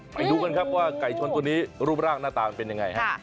ไปดูกันครับว่าไก่ชนตัวนี้รูปร่างหน้าตามันเป็นยังไงฮะ